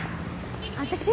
私？